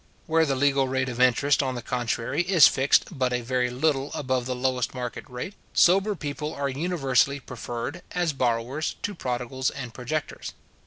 Where the legal rate of interest, on the contrary, is fixed but a very little above the lowest market rate, sober people are universally preferred, as borrowers, to prodigals and projectors.